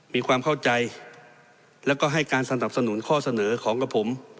มีความเข้าใจแล้วก็ให้การสนับสนุนข้อเสนอของกับผม